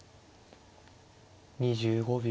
２５秒。